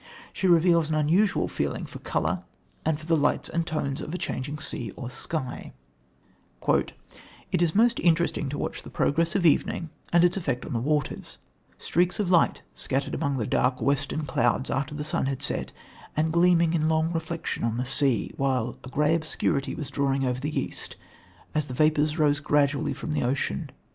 She reveals an unusual feeling for colour and for the lights and tones of a changing sea or sky: "It is most interesting to watch the progress of evening and its effect on the waters; streaks of light scattered among the dark, western clouds after the sun had set, and gleaming in long reflection on the sea, while a grey obscurity was drawing over the east, as the vapours rose gradually from the ocean.